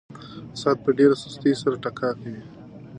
ساعت په ډېره سستۍ سره ټکا کوي.